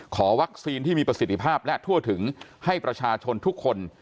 ขอวัคซีนที่มีประสิทธิภาพและทั่วถึงให้ประชาชนทุกคน